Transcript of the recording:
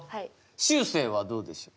しゅうせいはどうでしょう？